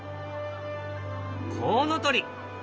コウノトリ。